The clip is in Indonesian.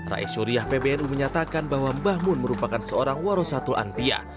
raisyuriah pbnu menyatakan bahwa bahmun merupakan seorang warosatul anbiya